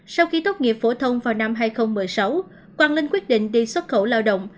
sau khi tốt nghiệp phổ thông vào năm hai nghìn một mươi sáu quang linh quyết định đi xuất khẩu lao động